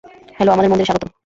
Hello, আমাদের মন্দিরে স্বাগতম।